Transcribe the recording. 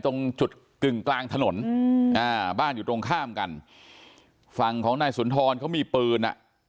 ตรงจุดกึ่งกลางถนนอืมอ่าบ้านอยู่ตรงข้ามกันฝั่งของนายสุนทรเขามีปืนอ่ะ